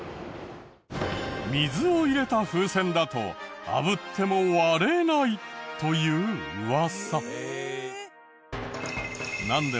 水を入れた風船だとあぶっても割れないというウワサ。